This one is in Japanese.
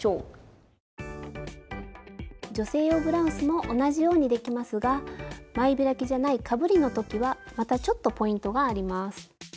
スタジオ女性用ブラウスも同じようにできますが前開きじゃないかぶりの時はまたちょっとポイントがあります。